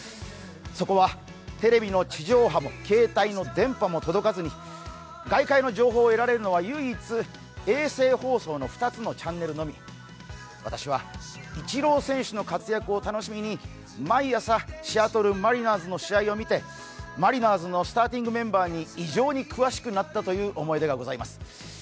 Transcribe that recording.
そこはテレビの地上波も携帯の電波も届かずに外界の情報を得られるのは唯一、衛星放送の２つのチャンネルのみ私はイチロー選手の活躍を楽しみに毎日シアトル・マリナーズの試合を見てマリナーズのスターティングメンバーに異常に詳しくなったという思い出がございます。